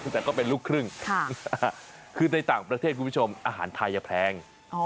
แต่ก็เป็นลูกครึ่งคือในต่างประเทศคุณผู้ชมอาหารไทยแพง